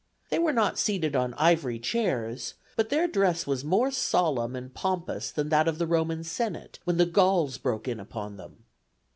They were not seated on ivory chairs, but their dress was more solemn and pompous than that of the Roman Senate, when the Gauls broke in upon them.